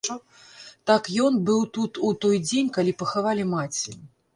Так ён быў тут у той дзень, калі пахавалі маці.